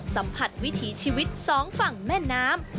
สัมผัสวิถีชีวิตสองฝั่งแม่น้ำ